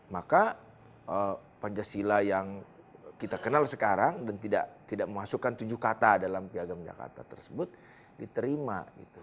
maka pancasila yang kita kenal sekarang dan tidak memasukkan tujuh kata dalam piagam jakarta tersebut diterima